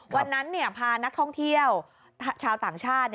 วันนั้นพานักท่องเที่ยวชาวต่างชาติ